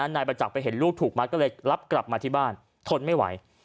นายประจักษ์ไปเห็นลูกถูกมัดก็เลยรับกลับมาที่บ้านทนไม่ไหว